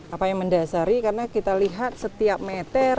apa yang mendasari karena kita lihat setiap meter